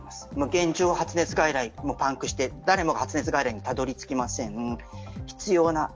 現状、発熱外来もパンクして、誰もが発熱外来にたどり着けません